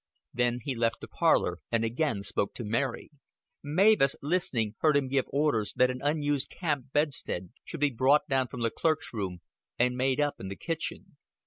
Then he left the parlor, and again spoke to Mary. Mavis, listening, heard him give orders that an unused camp bedstead should be brought down from the clerk's room and made up in the kitchen.